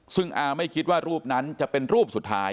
ซึ่งอาไม่คิดว่ารูปนั้นจะเป็นรูปสุดท้าย